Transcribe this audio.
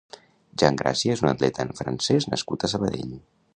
Jean Gracia és un atleta francès nascut a Sabadell.